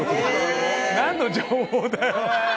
何の情報だよ。